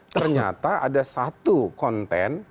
ternyata ada satu konten